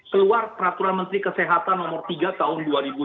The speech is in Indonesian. keluar peraturan menteri kesehatan nomor tiga tahun dua ribu dua puluh